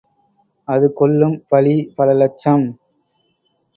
அது கொள்ளும் பலி, பல இலட்சம்.